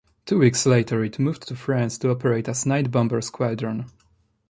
Two weeks later it moved to France to operate as a night bomber squadron.